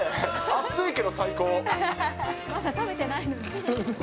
熱いけど最高。